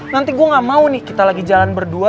nanti gue gak mau nih kita lagi jalan berdua